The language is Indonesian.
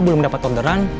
belum dapat orderan